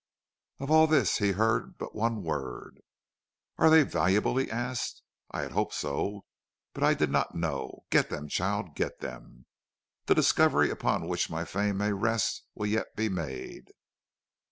"Of all this he heard but one word. "'Are they valuable?' he asked. 'I had hoped so, but I did not know. Get them, child, get them. The discovery upon which my fame may rest will yet be made.'